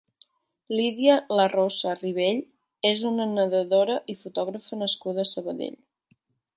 Lídia Larrosa Ribell és una nedadora i fotògrafa nascuda a Sabadell.